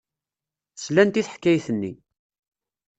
Slant i teḥkayt-nni.